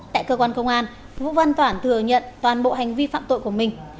tại cơ quan công an vũ văn toản thừa nhận toàn bộ hành vi phạm tội của mình